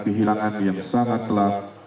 kehilangan yang sangat telat